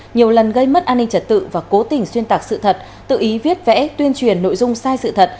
nhiều lần gây mất an ninh trật tự và cố tình xuyên tạc sự thật tự ý viết vẽ tuyên truyền nội dung sai sự thật